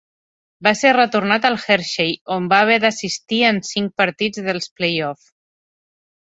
Va ser retornat al Hershey, on va haver d'assistir en cinc partits dels play-offs.